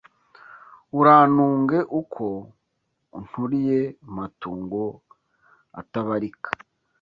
Urantunge uko unturiyeMatungo atabarika